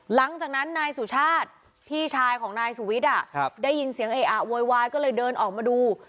หลังจากนั้นนายสุชาติพี่ชายของนายสุวิทย์ได้ยินเสียงเออะโวยวายก็เลยเดินออกมาดู